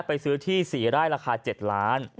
ไปซื้อที่๔ไร่ราคา๗ล้าน